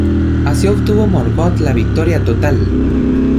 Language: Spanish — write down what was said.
Así obtuvo Morgoth la victoria total.